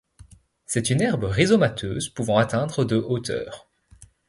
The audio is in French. C'est une herbe rhizomateuse pouvant atteindre de hauteur.